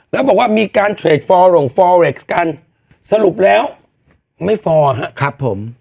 แล้วบอกว่ามีการเทรดฟอร์หลงฟอเร็กซ์กันสรุปแล้วไม่ฟอร์ครับผม